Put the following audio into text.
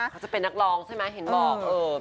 เขาจะเป็นนักร้องใช่ไหมเห็นบอก